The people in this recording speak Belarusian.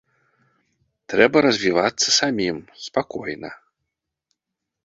Трэба развівацца самім, спакойна.